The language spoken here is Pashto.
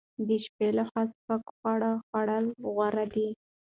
د شپې لخوا سپک خواړه خوړل غوره دي.